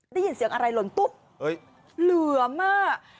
ได้ยินเสียงอะไรหล่นตุ๊บเหลือมาก